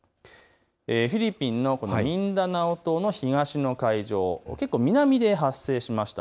フィリピンのミンダナオ島の東の海上、結構、南で発生しました。